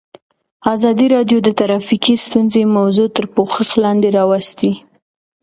ازادي راډیو د ټرافیکي ستونزې موضوع تر پوښښ لاندې راوستې.